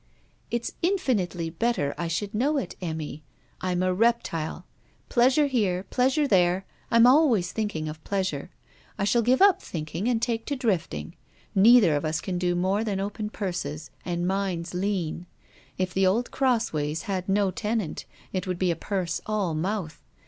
'It's infinitely better I should know it, Emmy I'm a reptile! Pleasure here, pleasure there, I'm always thinking of pleasure. I shall give up thinking and take to drifting. Neither of us can do more than open purses; and mine's lean. If the old Crossways had no tenant, it would be a purse all mouth.